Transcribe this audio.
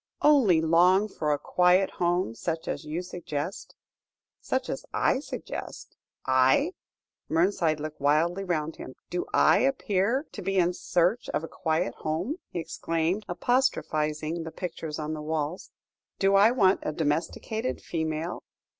"Only long for a quiet home such as you suggest." "Such as I suggest I!" Mernside looked wildly round him. "Do I appear to be in search of a quiet home?" he exclaimed, apostrophising the pictures on the walls; "do I want a domesticated female?